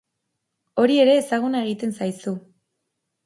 Hori ere ezaguna egiten zaizu.